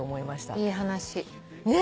いい話。ねぇ。